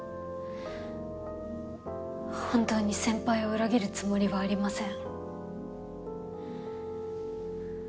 本当に先輩を裏切るつもりはありません。